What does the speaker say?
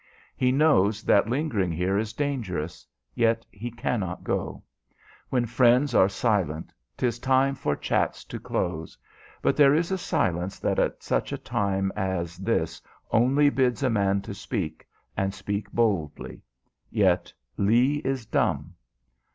He knows that lingering here is dangerous, yet he cannot go. When friends are silent 'tis time for chats to close: but there is a silence that at such a time as this only bids a man to speak, and speak boldly. Yet Lee is dumb.